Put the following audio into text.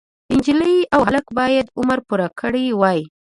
نجلۍ او هلک باید عمر پوره کړی وای.